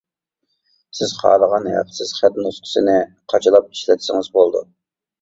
سىز خالىغان ھەقسىز خەت نۇسخىسىنى قاچىلاپ ئىشلەتسىڭىز بولىدۇ.